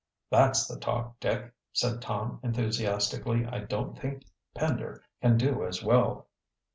"That's the talk, Dick," said Tom enthusiastically. "I don't think Pender can do as well."